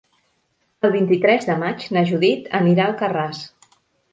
El vint-i-tres de maig na Judit anirà a Alcarràs.